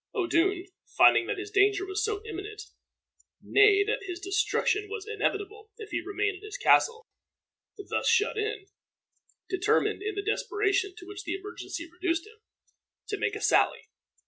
Odun, finding that his danger was so imminent, nay, that his destruction was inevitable if he remained in his castle, thus shut in, determined, in the desperation to which the emergency reduced him, to make a sally.